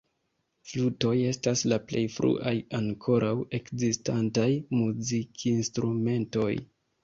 Flutoj estas la plej fruaj ankoraŭ ekzistantaj muzikinstrumentoj.